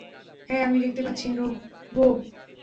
হ্যাঁ, আমি দেখতে পাচ্ছি, বোহ।